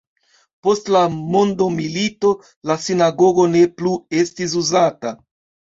Post la mondomilito la sinagogo ne plu estis uzata.